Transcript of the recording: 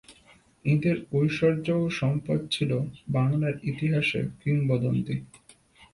এঁদের ঐশ্বর্য ও সম্পদ ছিল বাংলার ইতিহাসে কিংবদন্তি।